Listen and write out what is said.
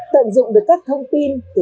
tận dụng được các thông tin từ các cơ quan